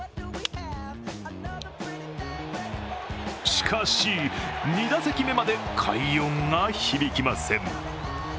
しかし、２打席目まで快音が響きません。